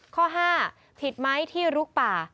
ข้อ๕ผิดไหมที่ลุกป่า